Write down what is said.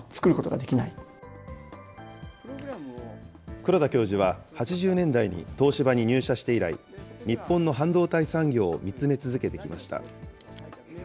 黒田教授は、８０年代に東芝に入社して以来、日本の半導体産業を見つめ続けてきました。